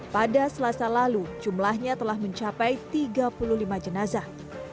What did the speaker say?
pada selasa lalu jumlahnya telah mencapai tiga puluh lima jenazah